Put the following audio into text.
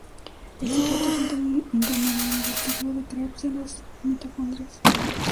El citrato es un intermediario del ciclo de Krebs en las mitocondrias.